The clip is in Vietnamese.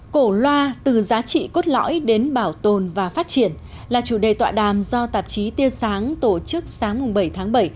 cổ loa từ giá trị cốt lõi đến bảo tồn và phát triển là chủ đề tọa đàm do tạp chí tiêu sáng tổ chức sáng bảy tháng bảy